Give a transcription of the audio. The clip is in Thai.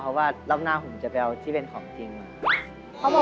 เพราะว่ารอบหน้าผมจะไปเอาที่เป็นของจริงมา